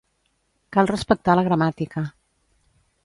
Cal respectar la gramàtica.